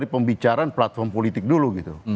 pembicaraan platform politik dulu gitu